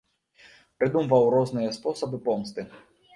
Прыдумваў розныя спосабы помсты.